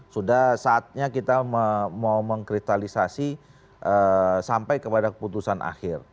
sudah saatnya kita mau mengkristalisasi sampai kepada keputusan akhir